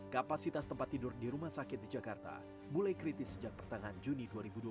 kapasitas tempat tidur di rumah sakit di jakarta mulai kritis sejak pertengahan juni dua ribu dua puluh